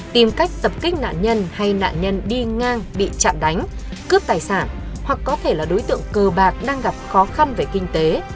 tìm cách tập kích nạn nhân hay nạn nhân đi ngang bị chạm đánh cướp tài sản hoặc có thể là đối tượng cờ bạc đang gặp khó khăn về kinh tế